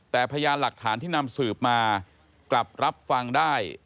แต่พยานหลักฐานที่นำสืบมากลับรับฟังได้